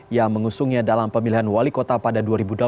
yang mengusungnya dalam pemilihan wali kota pada dua ribu delapan belas